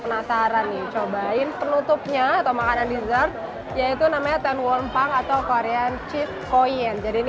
penasaran cobain penutupnya atau makanan dessert yaitu namanya ten gompang atau korean cheese koin